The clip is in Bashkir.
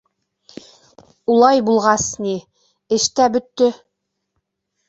— Улай булғас ни, эш тә бөттө.